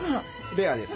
レアです。